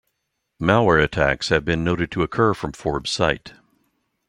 Malware attacks have been noted to occur from Forbes site.